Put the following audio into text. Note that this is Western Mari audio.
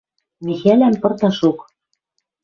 Михӓлӓм пырташок